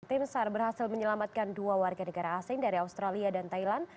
tim sar berhasil menyelamatkan dua warga negara asing dari australia dan thailand